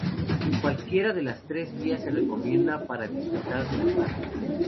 Cualquiera de las tres vías se recomienda para disfrutar del lugar.